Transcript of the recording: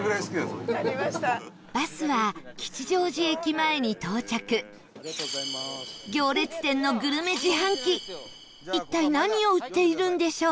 バスは、吉祥寺駅前に到着行列店のグルメ自販機一体何を売っているんでしょう？